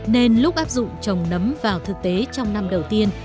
nên lúc áp dụng trồng nấm vào thực tế trong năm đầu tiên